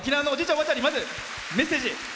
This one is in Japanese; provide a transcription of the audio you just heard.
おばあちゃんにメッセージ。